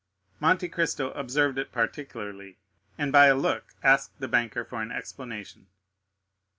Monte Cristo observed it particularly, and by a look asked the banker for an explanation.